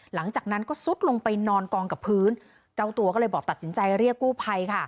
หลังจากนั้นก็ซุดลงไปนอนกองกับพื้นเจ้าตัวก็เลยบอกตัดสินใจเรียกกู้ภัยค่ะ